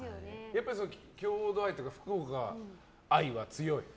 郷土愛というか福岡愛は強い？